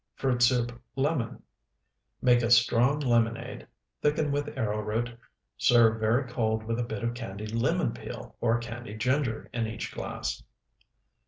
FRUIT SOUP (LEMON) Make a strong lemonade, thicken with arrowroot, serve very cold with a bit of candied lemon peel or candied ginger in each glass.